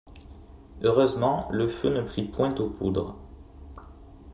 Heureusement le feu ne prit point aux poudres.